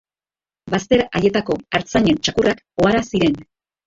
Bazter haietako artzainen txakurrak ohara ziren.